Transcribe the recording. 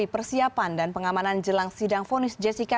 persiapan dan pengamanan jelang sidang fonis jessica